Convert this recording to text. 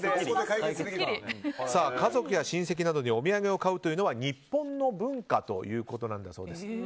家族や親戚などにお土産を買うというのは日本の文化ということなんだそうです。